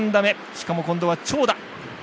しかも、今度は長打。